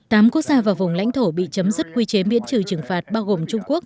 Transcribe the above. tám quốc gia và vùng lãnh thổ bị chấm dứt quy chế miễn trừ trừng phạt bao gồm trung quốc